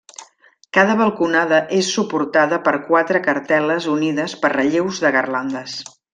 Cada balconada és suportada per quatre cartel·les unides per relleus de garlandes.